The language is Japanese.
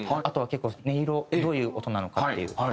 あとは結構音色どういう音なのかっていう。